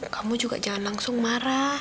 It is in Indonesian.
kamu juga jangan langsung marah